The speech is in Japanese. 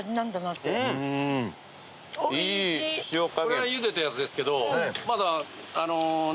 これはゆでたやつですけどまだ。